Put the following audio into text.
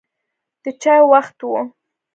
د چای وخت و.